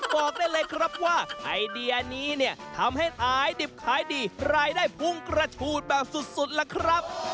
บอกได้เลยครับว่าไอเดียนี้เนี่ยทำให้ขายดิบขายดีรายได้พุ่งกระฉูดแบบสุดล่ะครับ